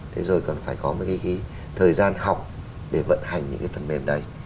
thế rồi còn phải có mấy cái thời gian học để vận hành những cái phần mềm đấy